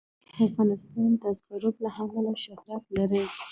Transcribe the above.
افغانستان د رسوب له امله شهرت لري.